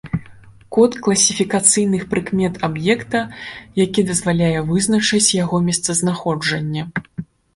Код класіфікацыйных прыкмет аб'екта, які дазваляе вызначыць яго месцазнаходжанне.